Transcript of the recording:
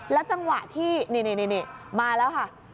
จังหวะที่นี่มาแล้วค่ะ